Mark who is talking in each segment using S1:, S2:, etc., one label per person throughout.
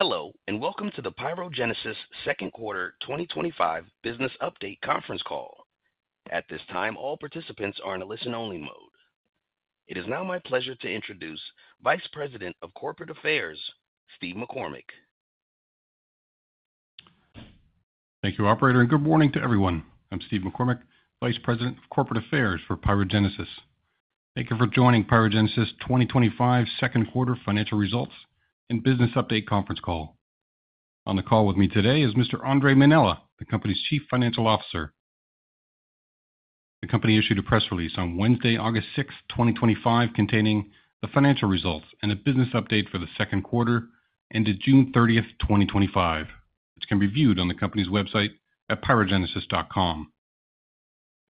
S1: Hello and welcome to the PyroGenesis Inc.'s Second Quarter 2025 Business Update Conference Call. At this time, all participants are in a listen-only mode. It is now my pleasure to introduce Vice President of Corporate Affairs, Steve McCormick.
S2: Thank you, Operator, and good morning to everyone. I'm Steve McCormick, Vice President of Corporate Affairs for PyroGenesis. Thank you for joining PyroGenesis' 2025 Second Quarter Financial Results and Business Update Conference Call. On the call with me today is Mr. Andre Mainella, the company's Chief Financial Officer. The company issued a press release on Wednesday, August 6th, 2025, containing the financial results and a business update for the second quarter ended June 30th, 2025, which can be viewed on the company's website at pyrogenesis.com.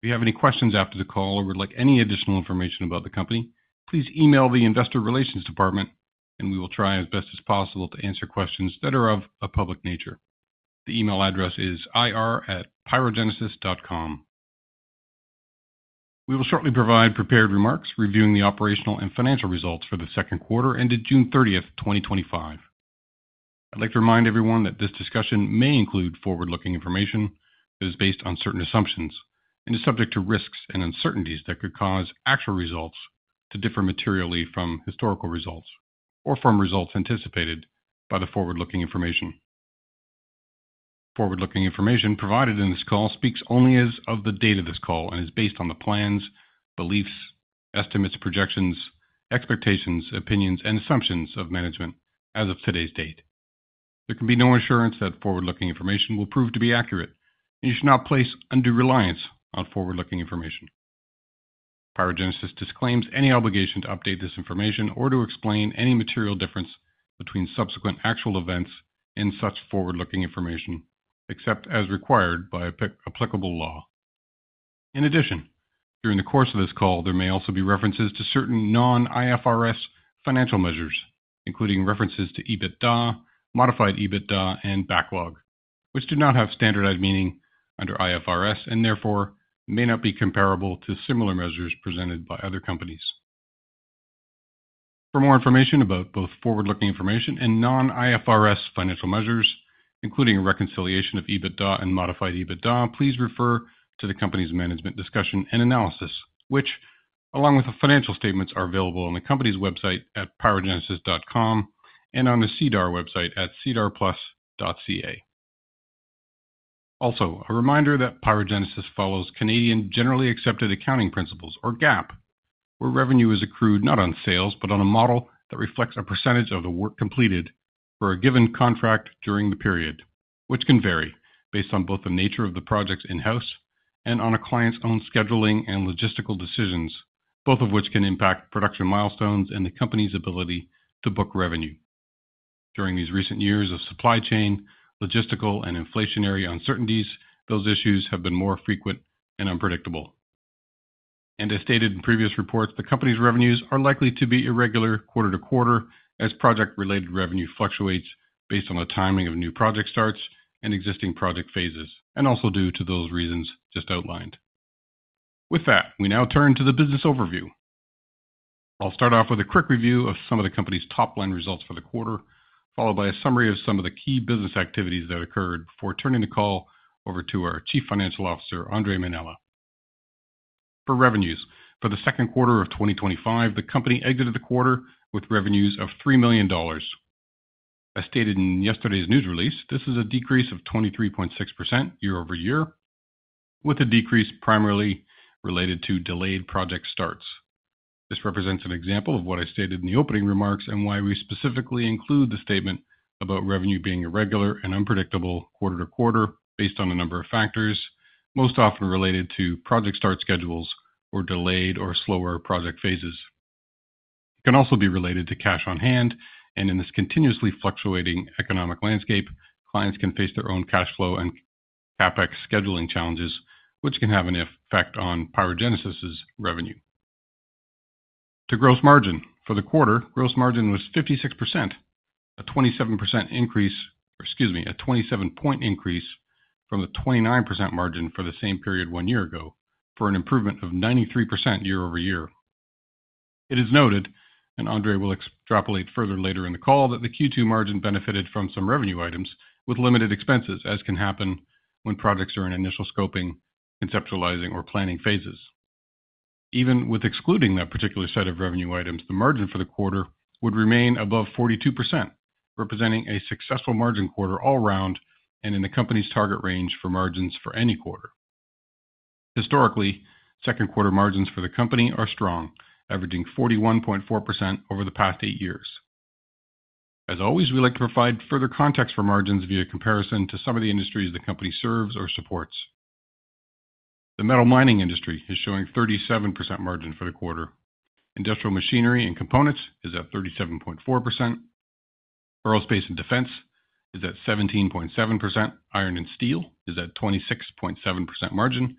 S2: If you have any questions after the call or would like any additional information about the company, please email the Investor Relations Department, and we will try as best as possible to answer questions that are of a public nature. The email address is ir@pyrogenesis.com. We will shortly provide prepared remarks reviewing the operational and financial results for the second quarter ended June 30th, 2025. I'd like to remind everyone that this discussion may include forward-looking information that is based on certain assumptions and is subject to risks and uncertainties that could cause actual results to differ materially from historical results or from results anticipated by the forward-looking information. Forward-looking information provided in this call speaks only as of the date of this call and is based on the plans, beliefs, estimates, projections, expectations, opinions, and assumptions of management as of today's date. There can be no assurance that forward-looking information will prove to be accurate, and you should not place undue reliance on forward-looking information. PyroGenesis. disclaims any obligation to update this information or to explain any material difference between subsequent actual events in such forward-looking information, except as required by applicable law. In addition, during the course of this call, there may also be references to certain non-IFRS financial measures, including references to EBITDA, modified EBITDA, and backlog, which do not have standardized meaning under IFRS and therefore may not be comparable to similar measures presented by other companies. For more information about both forward-looking information and non-IFRS financial measures, including a reconciliation of EBITDA and modified EBITDA, please refer to the company's management discussion and analysis, which, along with the financial statements, are available on the company's website at pyrogenesis.com and on the SEDAR website at sedarplus.ca. Also, a reminder that PyroGenesis follows Canadian GAAP, where revenue is accrued not on sales, but on a model that reflects a percentage of the work completed for a given contract during the period, which can vary based on both the nature of the projects in-house and on a client's own scheduling and logistical decisions, both of which can impact production milestones and the company's ability to book revenue. During these recent years of supply chain, logistical, and inflationary uncertainties, those issues have been more frequent and unpredictable. As stated in previous reports, the company's revenues are likely to be irregular quarter to quarter as project-related revenue fluctuates based on the timing of new project starts and existing project phases, and also due to those reasons just outlined. With that, we now turn to the business overview. I'll start off with a quick review of some of the company's top line results for the quarter, followed by a summary of some of the key business activities that occurred before turning the call over to our Chief Financial Officer, Andre Mainella. For revenues, for the second quarter of 2025, the company exited the quarter with revenues of $3 million. As stated in yesterday's news release, this is a decrease of 23.6% year-over-year, with a decrease primarily related to delayed project starts. This represents an example of what I stated in the opening remarks and why we specifically include the statement about revenue being irregular and unpredictable quarter to quarter based on a number of factors, most often related to project start schedules or delayed or slower project phases. It can also be related to cash on hand, and in this continuously fluctuating economic landscape, clients can face their own cash flow and CapEx scheduling challenges, which can have an effect on PyroGenesis' revenue. To gross margin, for the quarter, gross margin was 56%, a 27% increase, or excuse me, a 27-point increase from the 29% margin for the same period one year ago, for an improvement of 93% year-over-year. It is noted, and Andre will extrapolate further later in the call, that the Q2 margin benefited from some revenue items with limited expenses, as can happen when projects are in initial scoping, conceptualizing, or planning phases. Even with excluding that particular set of revenue items, the margin for the quarter would remain above 42%, representing a successful margin quarter all around and in the company's target range for margins for any quarter. Historically, second quarter margins for the company are strong, averaging 41.4% over the past eight years. As always, we like to provide further context for margins via comparison to some of the industries the company serves or supports. The metal mining industry is showing a 37% margin for the quarter. Industrial machinery and components is at 37.4%. Aerospace and defense is at 17.7%. Iron and steel is at 26.7% margin.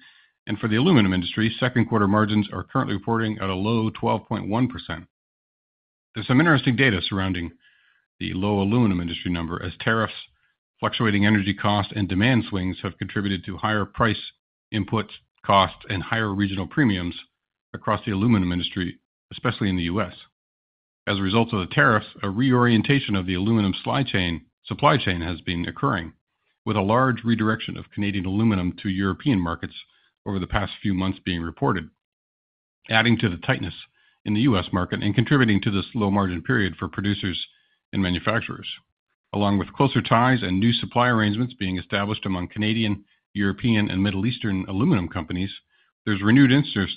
S2: For the aluminum industry, second quarter margins are currently reporting at a low 12.1%. There's some interesting data surrounding the low aluminum industry number as tariffs, fluctuating energy costs, and demand swings have contributed to higher price inputs, costs, and higher regional premiums across the aluminum industry, especially in the U.S. As a result of the tariffs, a reorientation of the aluminum supply chain has been occurring, with a large redirection of Canadian aluminum to European markets over the past few months being reported, adding to the tightness in the U.S. market and contributing to this low margin period for producers and manufacturers. Along with closer ties and new supply arrangements being established among Canadian, European, and Middle Eastern aluminum companies, there's renewed interest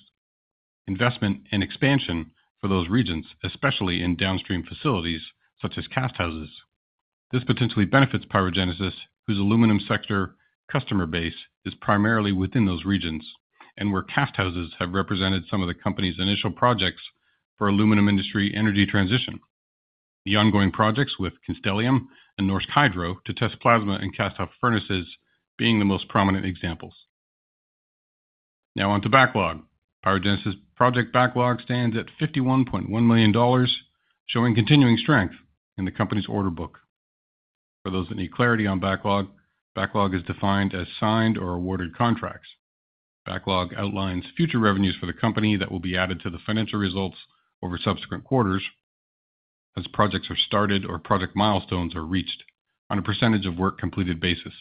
S2: in investment and expansion for those regions, especially in downstream facilities such as cast houses. This potentially benefits PyroGenesis, whose aluminum sector customer base is primarily within those regions, and where cast houses have represented some of the company's initial projects for aluminum industry energy transition. The ongoing projects with Constellium and Norsk Hydro ASA to test plasma and cast-off furnaces being the most prominent examples. Now on to backlog. PyroGenesis' project backlog stands at $51.1 million, showing continuing strength in the company's order book. For those that need clarity on backlog, backlog is defined as signed or awarded contracts. Backlog outlines future revenues for the company that will be added to the financial results over subsequent quarters as projects are started or project milestones are reached on a % of work completed basis.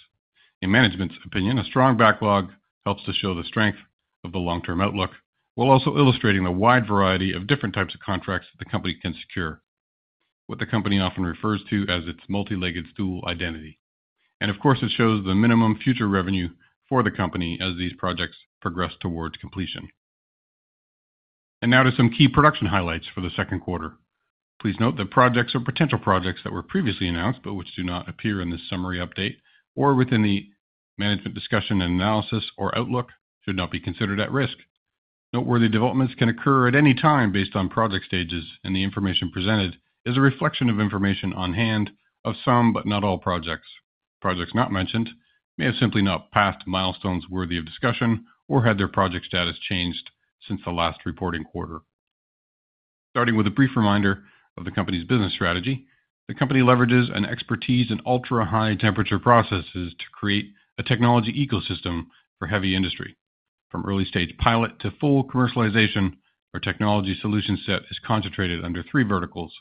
S2: In management's opinion, a strong backlog helps to show the strength of the long-term outlook, while also illustrating the wide variety of different types of contracts the company can secure, what the company often refers to as its multi-legged stool identity. It shows the minimum future revenue for the company as these projects progress towards completion. Now to some key production highlights for the second quarter. Please note that projects or potential projects that were previously announced but which do not appear in this summary update or within the management discussion and analysis or outlook should not be considered at risk. Noteworthy developments can occur at any time based on project stages, and the information presented is a reflection of information on hand of some but not all projects. Projects not mentioned may have simply not passed milestones worthy of discussion or had their project status changed since the last reporting quarter. Starting with a brief reminder of the company's business strategy, the company leverages an expertise in ultra-high-temperature processes to create a technology ecosystem for heavy industry. From early-stage pilot to full commercialization, our technology solution set is concentrated under three verticals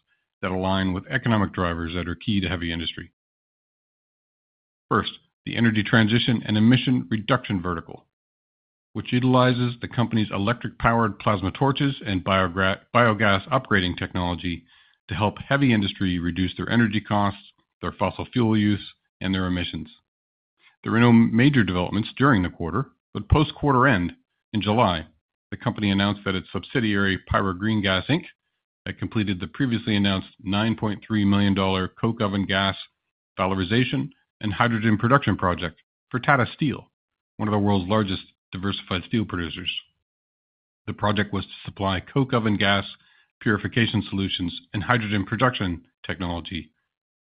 S2: that align with economic drivers that are key to heavy industry. First, the energy transition and emission reduction vertical, which utilizes the company's electric-powered plasma torches and biogas upgrading technology to help heavy industry reduce their energy costs, their fossil fuel use, and their emissions. There are no major developments during the quarter, but post-quarter end, in July, the company announced that its subsidiary Pyro Green Gas Inc. had completed the previously announced $9.3 million coke-oven gas valorization and hydrogen production project for Tata Steel, one of the world's largest diversified steel producers. The project was to supply coke-oven gas purification solutions and hydrogen production technology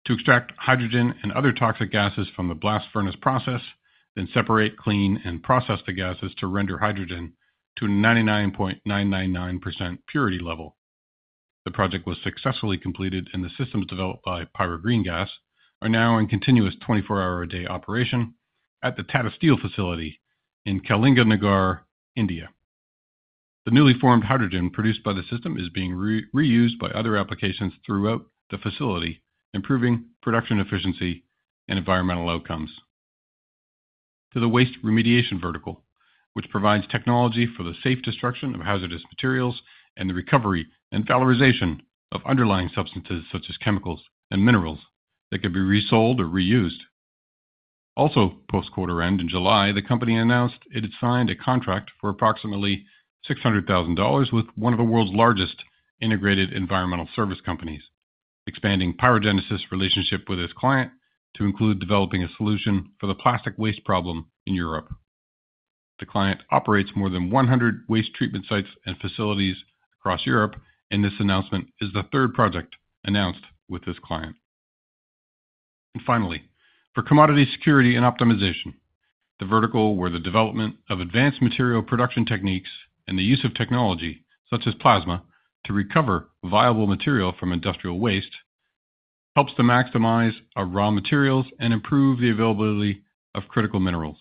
S2: to extract hydrogen and other toxic gases from the blast furnace process, then separate, clean, and process the gases to render hydrogen to a 99.999% purity level. The project was successfully completed, and the systems developed by Pyro Green Gas are now in continuous 24-hour-a-day operation at the Tata Steel facility in Kalinganagar, India. The newly formed hydrogen produced by the system is being reused by other applications throughout the facility, improving production efficiency and environmental outcomes. To the waste remediation vertical, which provides technology for the safe destruction of hazardous materials and the recovery and valorization of underlying substances such as chemicals and minerals that could be resold or reused. Also, post-quarter end in July, the company announced it had signed a contract for approximately $600,000 with one of the world's largest integrated environmental service companies, expanding PyroGenesis Canada's relationship with its client to include developing a solution for the plastic waste problem in Europe. The client operates more than 100 waste treatment sites and facilities across Europe, and this announcement is the third project announced with this client. Finally, for commodity security and optimization, the vertical where the development of advanced material production techniques and the use of technology such as plasma to recover viable material from industrial waste helps to maximize raw materials and improve the availability of critical minerals.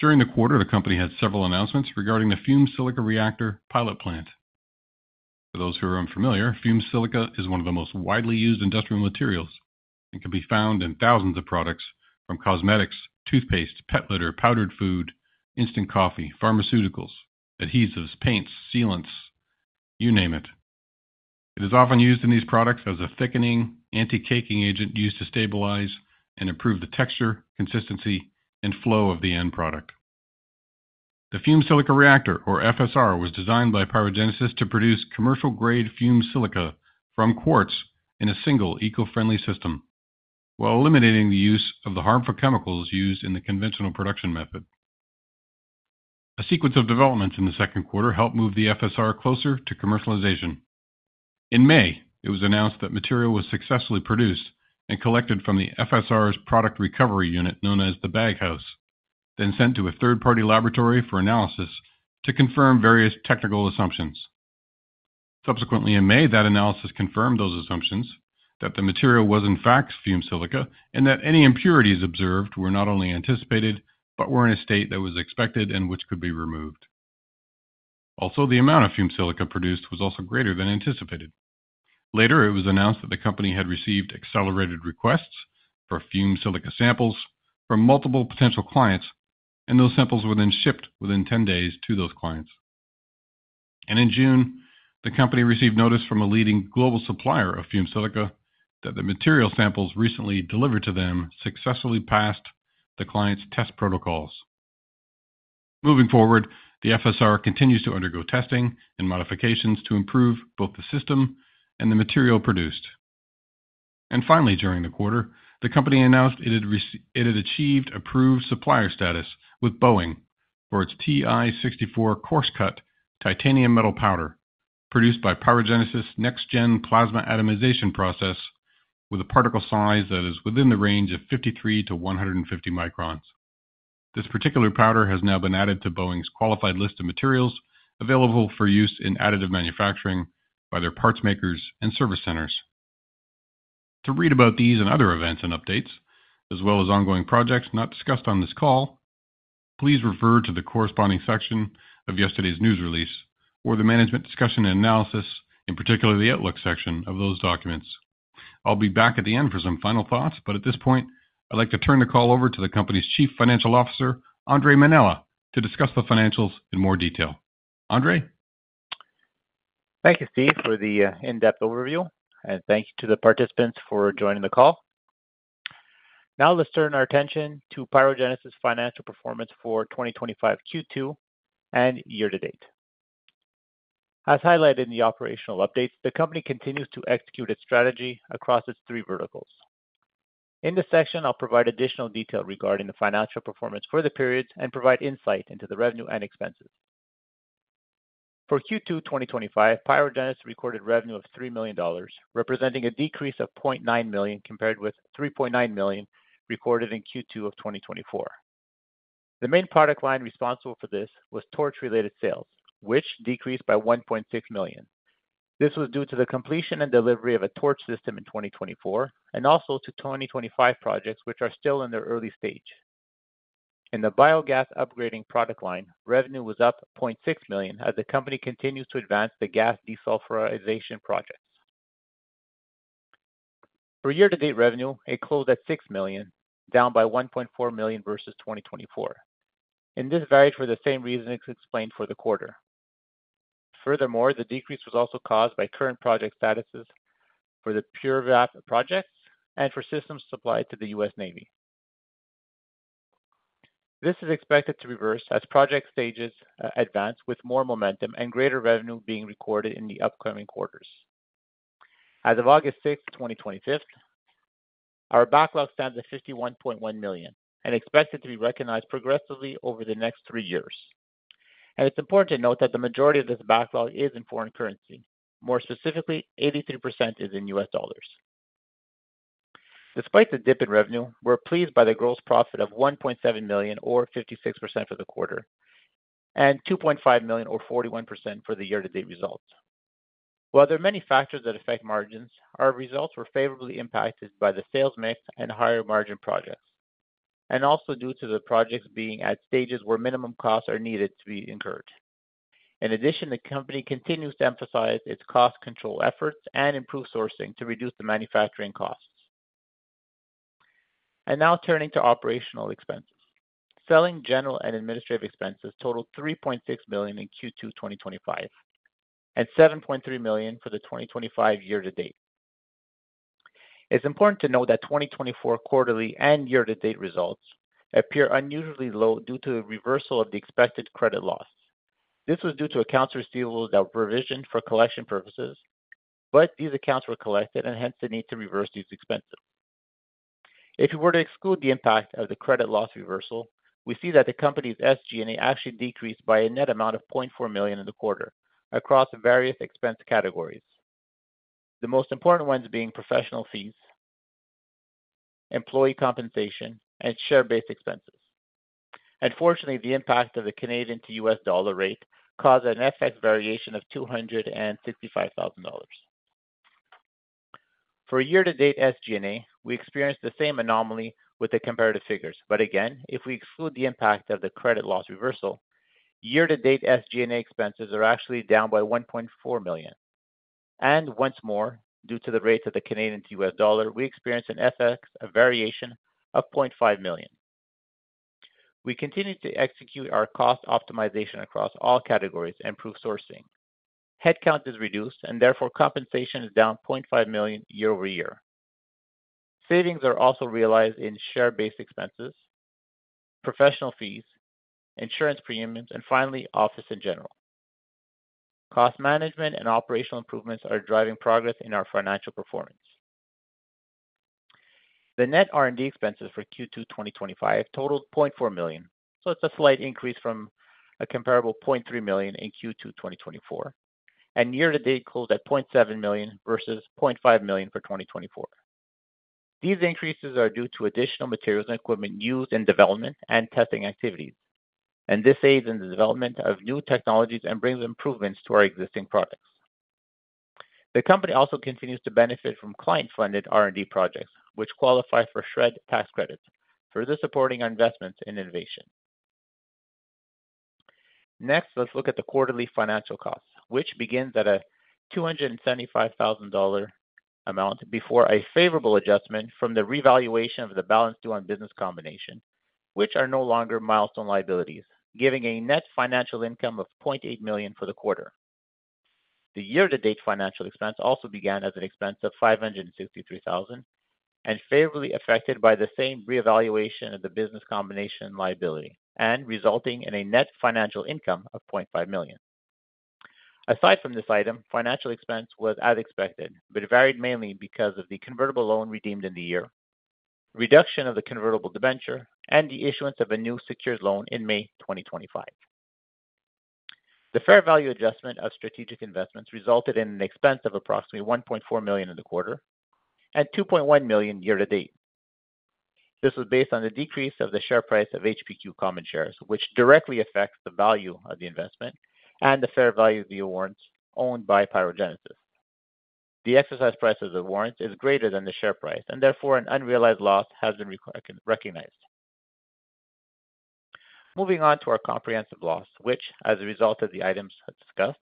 S2: During the quarter, the company had several announcements regarding the Fume Silica Reactor pilot plant. For those who are unfamiliar, fume silica is one of the most widely used industrial materials and can be found in thousands of products from cosmetics, toothpaste, pet litter, powdered food, instant coffee, pharmaceuticals, adhesives, paints, sealants, you name it. It is often used in these products as a thickening anti-caking agent used to stabilize and improve the texture, consistency, and flow of the end product. The Fumed Silica Reactor, or FSR, was designed by PyroGenesis to produce commercial-grade fume silica from quartz in a single eco-friendly system while eliminating the use of the harmful chemicals used in the conventional production method. A sequence of developments in the second quarter helped move the FSR closer to commercialization. In May, it was announced that material was successfully produced and collected from the FSR's product recovery unit known as the bag house, then sent to a third-party laboratory for analysis to confirm various technical assumptions. Subsequently, in May, that analysis confirmed those assumptions that the material was in fact fume silica and that any impurities observed were not only anticipated but were in a state that was expected and which could be removed. Also, the amount of fume silica produced was also greater than anticipated. Later, it was announced that the company had received accelerated requests for fume silica samples from multiple potential clients, and those samples were then shipped within 10 days to those clients. In June, the company received notice from a leading global supplier of fume silica that the material samples recently delivered to them successfully passed the client's test protocols. Moving forward, the FSR continues to undergo testing and modifications to improve both the system and the material produced. Finally, during the quarter, the company announced it had achieved approved supplier status with Boeing for its TI-64 coarse cut titanium metal powder produced by PyroGenesis's next-gen plasma atomization process with a particle size that is within the range of 53-150 microns. This particular powder has now been added to Boeing's qualified list of materials available for use in additive manufacturing by their parts makers and service centers. To read about these and other events and updates, as well as ongoing projects not discussed on this call, please refer to the corresponding section of yesterday's news release or the management discussion and analysis, in particular the outlook section of those documents. I'll be back at the end for some final thoughts, but at this point, I'd like to turn the call over to the company's Chief Financial Officer, Andre Mainella, to discuss the financials in more detail. Andre?
S3: Thank you, Steve, for the in-depth overview. Thank you to the participants for joining the call. Now let's turn our attention to PyroGenesis' financial performance for 2025 Q2 and year-to-date. As highlighted in the operational updates, the company continues to execute its strategy across its three verticals. In this section, I'll provide additional detail regarding the financial performance for the period and provide insight into the revenue and expenses. For Q2 2025, PyroGenesis recorded revenue of $3 million, representing a decrease of $0.9 million compared with $3.9 million recorded in Q2 of 2024. The main product line responsible for this was torch-related sales, which decreased by $1.6 million. This was due to the completion and delivery of a torch system in 2024 and also to 2025 projects, which are still in their early stage. In the biogas upgrading product line, revenue was up $0.6 million as the company continues to advance the gas desulfurization projects. For year-to-date revenue, it closed at $6 million, down by $1.4 million versus 2024. This varied for the same reasons explained for the quarter. Furthermore, the decrease was also caused by current project statuses for the PUREVAP projects and for systems supplied to the U.S. Navy. This is expected to reverse as project stages advance with more momentum and greater revenue being recorded in the upcoming quarters. As of August 6th, 2025, our backlog stands at $51.1 million and expects it to be recognized progressively over the next three years. It's important to note that the majority of this backlog is in foreign currency. More specifically, 83% is in U.S. dollars. Despite the dip in revenue, we're pleased by the gross profit of $1.7 million, or 56% for the quarter, and $2.5 million, or 41% for the year-to-date results. While there are many factors that affect margins, our results were favorably impacted by the sales mix and higher margin projects, and also due to the projects being at stages where minimum costs are needed to be incurred. In addition, the company continues to emphasize its cost control efforts and improve sourcing to reduce the manufacturing costs. Now turning to operational expenses. Selling, General, and Administrative expenses totaled $3.6 million in Q2 2025 and $7.3 million for the 2025 year-to-date. It's important to note that 2024 quarterly and year-to-date results appear unusually low due to the reversal of the expected credit loss. This was due to accounts receivable that were provisioned for collection purposes, but these accounts were collected and hence the need to reverse these expenses. If you were to exclude the impact of the credit loss reversal, we see that the company's SG&A actually decreased by a net amount of $0.4 million in the quarter across various expense categories, the most important ones being professional fees, employee compensation, and share-based expenses. Unfortunately, the impact of the Canadian-to-U.S. dollar rate caused an FX variation of $265,000. For year-to-date SG&A, we experienced the same anomaly with the comparative figures. If we exclude the impact of the credit loss reversal, year-to-date SG&A expenses are actually down by $1.4 million. Once more, due to the rates of the Canadian-to-U.S. dollar, we experienced an FX variation of $0.5 million. We continue to execute our cost optimization across all categories and improve sourcing. Headcount is reduced, and therefore compensation is down $0.5 million year-over-year. Savings are also realized in share-based expenses, professional fees, insurance premiums, and finally, office in general. Cost management and operational improvements are driving progress in our financial performance. The net R&D expenses for Q2 2025 totaled $0.4 million, so it's a slight increase from a comparable $0.3 million in Q2 2024, and year-to-date closed at $0.7 million versus $0.5 million for 2024. These increases are due to additional materials and equipment used in development and testing activities, and this aids in the development of new technologies and brings improvements to our existing products. The company also continues to benefit from client-funded R&D projects, which qualify for SHRED tax credits for supporting our investments in innovation. Next, let's look at the quarterly financial costs, which begin at a $275,000 amount before a favorable adjustment from the revaluation of the balance due on business combination, which are no longer milestone liabilities, giving a net financial income of $0.8 million for the quarter. The year-to-date financial expense also began as an expense of $563,000 and was favorably affected by the same reevaluation of the business combination liability, resulting in a net financial income of $0.5 million. Aside from this item, financial expense was as expected, but it varied mainly because of the convertible loan redeemed in the year, reduction of the convertible debenture, and the issuance of a new secured loan in May 2025. The fair value adjustment of strategic investments resulted in an expense of approximately $1.4 million in the quarter and $2.1 million year-to-date. This was based on the decrease of the share price of HPQ common shares, which directly affects the value of the investment and the fair value of the warrants owned by PyroGenesis. The exercise price of the warrants is greater than the share price, and therefore an unrealized loss has been recognized. Moving on to our comprehensive loss, which, as a result of the items discussed,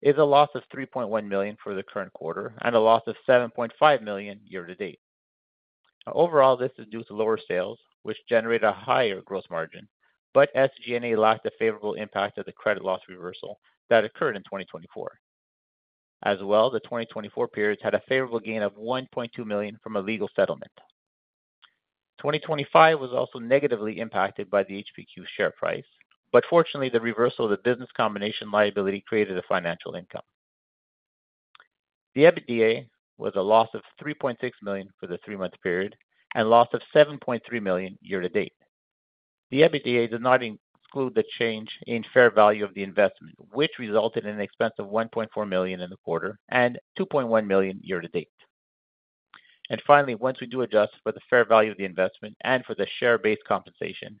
S3: is a loss of $3.1 million for the current quarter and a loss of $7.5 million year-to-date. Overall, this is due to lower sales, which generate a higher gross margin, but SG&A lacked a favorable impact of the credit loss reversal that occurred in 2024. As well, the 2024 period had a favorable gain of $1.2 million from a legal settlement. 2025 was also negatively impacted by the HPQ share price, but fortunately, the reversal of the business combination liability created a financial income. The EBITDA was a loss of $3.6 million for the three-month period and a loss of $7.3 million year-to-date. The EBITDA does not exclude the change in fair value of the investment, which resulted in an expense of $1.4 million in the quarter and $2.1 million year-to-date. Finally, once we do adjust for the fair value of the investment and for the share-based compensation,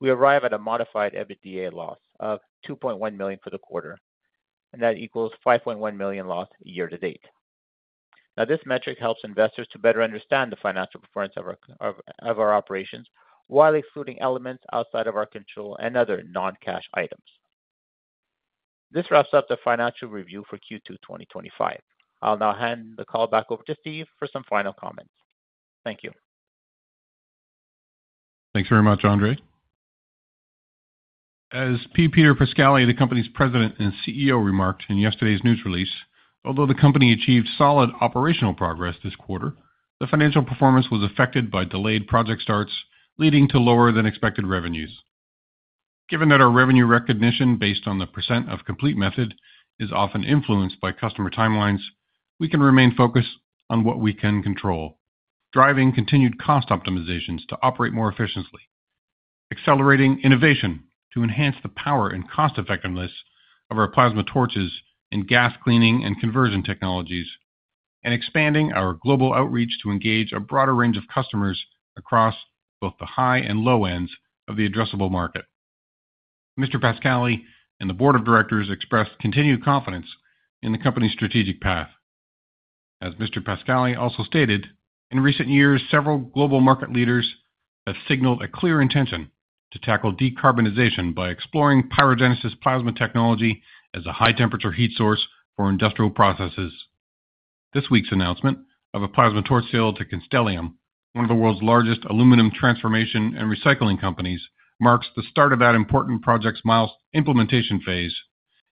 S3: we arrive at a modified EBITDA loss of $2.1 million for the quarter, and that equals $5.1 million loss year-to-date. This metric helps investors to better understand the financial performance of our operations while excluding elements outside of our control and other non-cash items. This wraps up the financial review for Q2 2025. I'll now hand the call back over to Steve for some final comments. Thank you.
S2: Thanks very much, Andre. As P. Peter Pascali, the company's President and CEO, remarked in yesterday's news release, although the company achieved solid operational progress this quarter, the financial performance was affected by delayed project starts leading to lower than expected revenues. Given that our revenue recognition based on the % of complete method is often influenced by customer timelines, we can remain focused on what we can control, driving continued cost optimizations to operate more efficiently, accelerating innovation to enhance the power and cost effectiveness of our plasma torches and gas cleaning and conversion technologies, and expanding our global outreach to engage a broader range of customers across both the high and low ends of the addressable market. Mr. Pascali and the Board of Directors expressed continued confidence in the company's strategic path. As Mr. Pascali also stated, in recent years, several global market leaders have signaled a clear intention to tackle decarbonization by exploring PyroGenesis plasma technology as a high-temperature heat source for industrial processes. This week's announcement of a plasma torch sale to Constellium, one of the world's largest aluminum transformation and recycling companies, marks the start of that important project's milestone implementation phase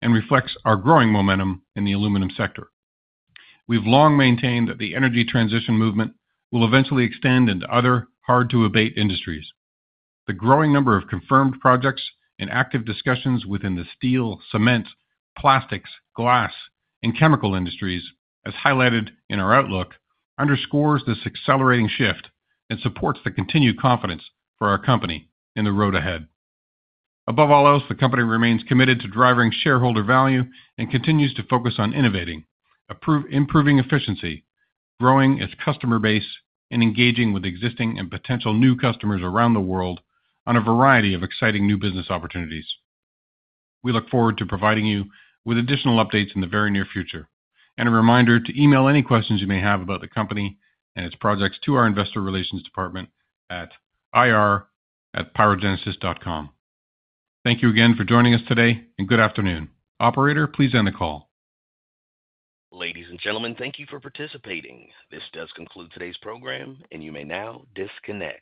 S2: and reflects our growing momentum in the aluminum sector. We've long maintained that the energy transition movement will eventually extend into other hard-to-abate industries. The growing number of confirmed projects and active discussions within the steel, cement, plastics, glass, and chemical industries, as highlighted in our outlook, underscores this accelerating shift and supports the continued confidence for our company in the road ahead. Above all else, the company remains committed to driving shareholder value and continues to focus on innovating, improving efficiency, growing its customer base, and engaging with existing and potential new customers around the world on a variety of exciting new business opportunities. We look forward to providing you with additional updates in the very near future. A reminder to email any questions you may have about the company and its projects to our Investor Relations Department at ir@pyrogenesis.com. Thank you again for joining us today, and good afternoon. Operator, please end the call.
S1: Ladies and gentlemen, thank you for participating. This does conclude today's program, and you may now disconnect.